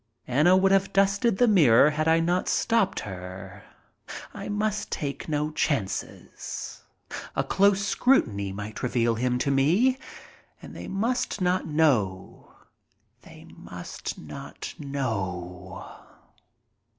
Anna would have dusted the mirror had I not stopped her. I must take no chances. A close scrutiny might reveal him to them, and they must not know—they must not know!